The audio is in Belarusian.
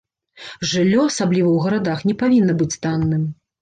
Жыллё, асабліва ў гарадах, не павінна быць танным.